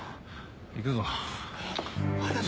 行くぞ。